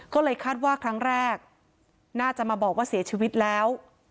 ก็เลยคาดว่าครั้งแรกน่าจะมาบอกว่าเสียชีวิตแล้ว